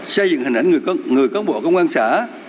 xây dựng hình ảnh người cán bộ công an xã